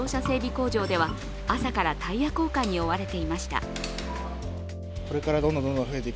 工場では朝からタイヤ交換に追われていました。